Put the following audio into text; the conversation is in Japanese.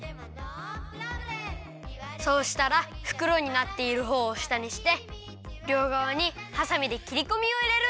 そうしたらふくろになっているほうをしたにしてりょうがわにはさみできりこみをいれる！